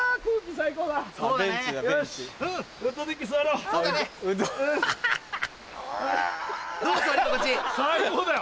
最高だよ。